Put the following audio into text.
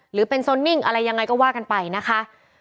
หรือเป็นอะไรยังไงก็ว่ากันไปนะคะ